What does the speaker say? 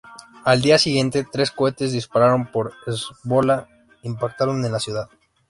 Al día siguiente, tres cohetes disparados por Hezbolá impactaron en la ciudad.